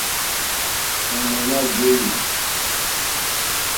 È ɱwèní à jèlí.